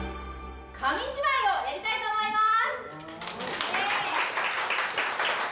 紙芝居をやりたいと思います。